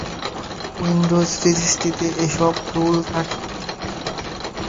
Windows রেজিস্ট্রিতে এসব tool থাকে।